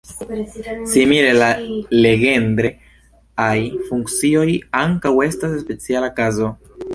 Simile, la Legendre-aj funkcioj ankaŭ estas speciala kazo.